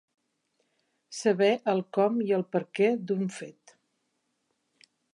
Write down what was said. Saber el com i el perquè d'un fet.